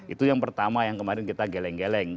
itu yang pertama yang kemarin kita geleng geleng